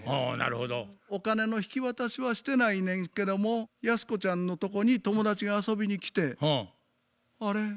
お金の引き渡しはしてないねんけどもヤスコちゃんのとこに友達が遊びに来て「あれ？